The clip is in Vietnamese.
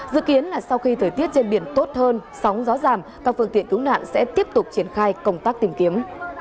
dự kiến là sau khi thời tiết trên biển tốt hơn sóng gió giảm các phương tiện cứu nạn sẽ tiếp tục triển khai công tác tìm kiếm